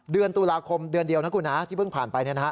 เดือนตุลาคมเดือนเดียวนะคุณนะที่เพิ่งผ่านไป